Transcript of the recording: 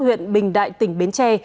huyện bình đại tỉnh bến tre